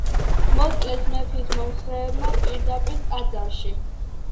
მოკლეს მეფის მომხრეებმა, პირდაპირ ტაძარში.